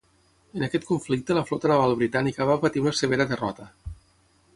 En aquest conflicte la flota naval britànica va patir una severa derrota.